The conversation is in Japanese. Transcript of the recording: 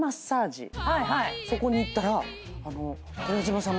そこに行ったら。